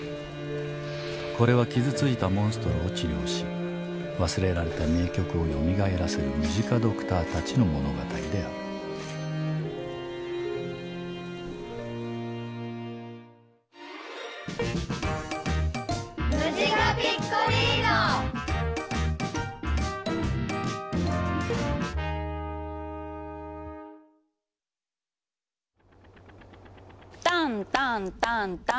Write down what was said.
これは傷ついたモンストロを治療し忘れられた名曲をよみがえらせるムジカドクターたちの物語であるタンタンタンタン。